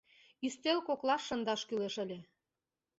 — Ӱстел коклаш шындаш кӱлеш ыле.